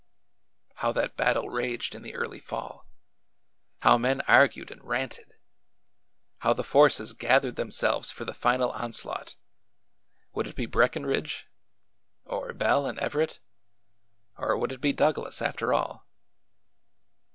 How that battle raged in the early fall 1 How men ar gued and ranted! How the forces gathered themselves for the final onslaught! Would it be Breckenridge ? or Bell and Everett ? or would it be Douglas, after all